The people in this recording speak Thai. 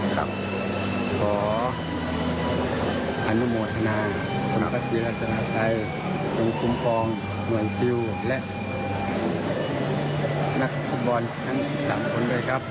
ขออนุโมทนาคุณพระศรีราชนาไตรจงคุมฟองหน่วยงานซิลและนักภูมิบอลทั้ง๑๓คนด้วยครับ